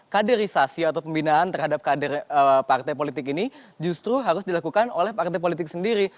kaderisasi atau pembinaan terhadap kader partai politik ini justru harus dilakukan oleh partai politik sendiri